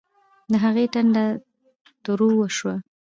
د هغې ټنډه تروه شوه